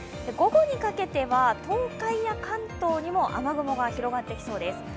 午後にかけては東海や関東にも雨雲が広がってきそうです。